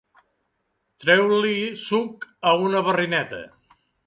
Treure-li suc a una barrineta.